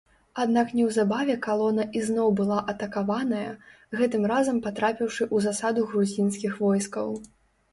Аднак неўзабаве калона ізноў была атакаваная, гэтым разам патрапіўшы ў засаду грузінскіх войскаў.